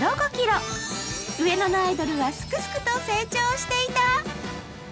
上野のアイドルはすくすくと成長していた。